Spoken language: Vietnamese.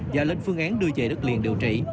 và lên phương án đưa về đất liền điều trị